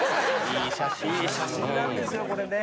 いい写真なんですよこれね。